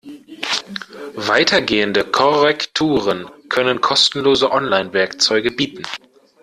Weitergehende Korrekturen können kostenlose Online-Werkzeuge bieten.